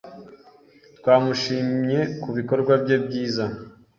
Twamushimye kubikorwa bye byiza.